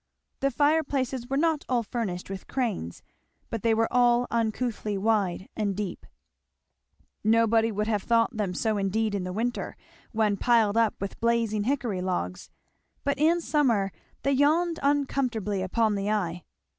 The fireplaces were not all furnished with cranes, but they were all uncouthly wide and deep. Nobody would have thought them so indeed in the winter, when piled up with blazing hickory logs, but in summer they yawned uncomfortably upon the eye.